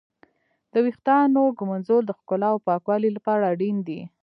د ويښتانو ږمنځول د ښکلا او پاکوالي لپاره اړين دي.